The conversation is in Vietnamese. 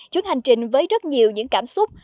chuyến hành trình với rất nhiều những cảm xúc